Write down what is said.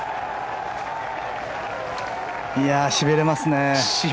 しびれますね。